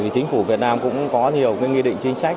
chính phủ việt nam cũng có nhiều cái nghi định chính sách